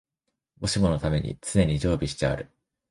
もしものために常に備蓄してある